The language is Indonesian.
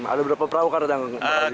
ada berapa perahu karet yang berada di sini